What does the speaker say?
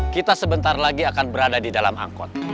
kita sebentar lagi akan berada di dalam angkot